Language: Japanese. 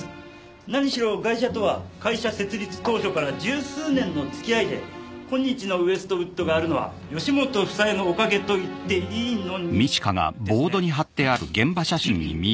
なにしろガイシャとは会社設立当初から１０数年のつきあいで今日のウエストウッドがあるのは吉本房江のおかげといっていいのにですねコラ西郷コラ！